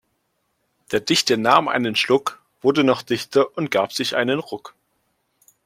Der Dichter nahm einen Schluck, wurde noch dichter und gab sich einen Ruck.